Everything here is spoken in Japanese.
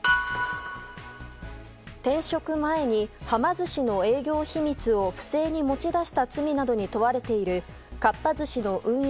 転職前にはま寿司の営業秘密を不正に持ち出した罪などに問われているかっぱ寿司の運営